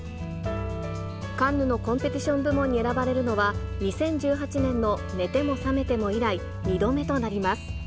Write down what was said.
カンヌのコンペティション部門に選ばれるのは、２０１８年の寝ても覚めても以来、２度目となります。